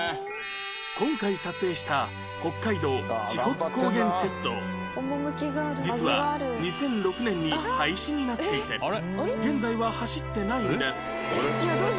今回撮影した実は２００６年に廃止になっていて現在は走ってないんです